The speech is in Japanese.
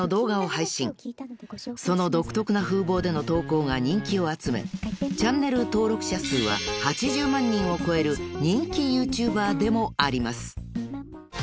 ［その独特な風貌での投稿が人気を集めチャンネル登録者数は８０万人を超える人気ＹｏｕＴｕｂｅｒでもあります］